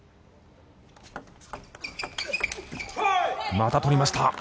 また取りました。